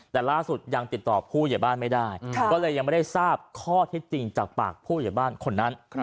แต่ล่าสุดยังติดต่อผู้ใหญ่บ้านไม่ได้ก็เลยยังไม่ได้ทราบข้อเท็จจริงจากปากผู้ใหญ่บ้านคนนั้น